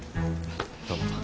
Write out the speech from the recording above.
どうも。